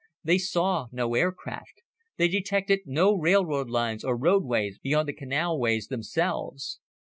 They saw no aircraft. They detected no railroad lines or roadways beyond the canalways themselves.